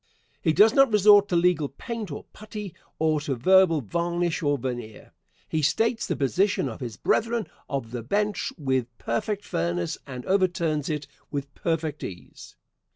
He does not resort to legal paint or putty, or to verbal varnish or veneer. He states the position of his brethren of the bench with perfect fairness, and overturns it with perfect ease.